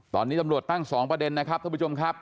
ตอนนี้ตำรวจตั้ง๒ประเด็นนะครับท่านผู้ชมครับ